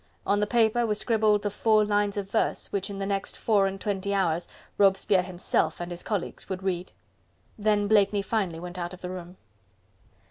On the paper were scribbled the four lines of verse which in the next four and twenty hours Robespierre himself and his colleagues would read. Then Blakeney finally went out of the room.